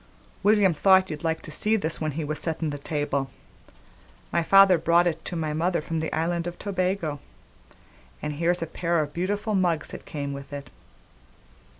"William thought you'd like to see this, when he was settin' the table. My father brought it to my mother from the island of Tobago; an' here's a pair of beautiful mugs that came with it."